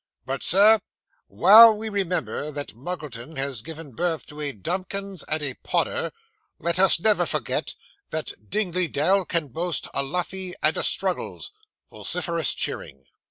But, sir, while we remember that Muggleton has given birth to a Dumkins and a Podder, let us never forget that Dingley Dell can boast a Luffey and a Struggles. (Vociferous cheering.)